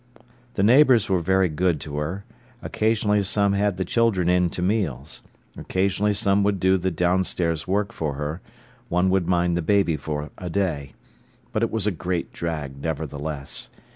The neighbours were very good to her: occasionally some had the children in to meals, occasionally some would do the downstairs work for her, one would mind the baby for a day. But it was a great drag, nevertheless.